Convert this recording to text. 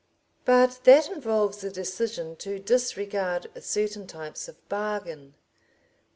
But that involves a decision to disregard certain types of bargain.